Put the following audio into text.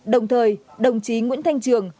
đồng thời đồng chí nguyễn thanh trường